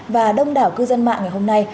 và đông đảo cư dân mạng ngày hôm nay